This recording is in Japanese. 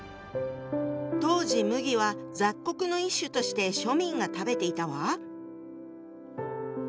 当時麦は雑穀の一種として庶民が食べていたわ。